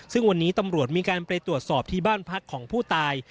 ซึ่งวันนี้ตำรวจมีการไปตรวจสอบที่บ้านพักของผู้ตาย